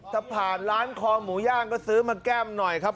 ถ้าผ่านร้านคอหมูย่างก็ซื้อมาแก้มหน่อยครับ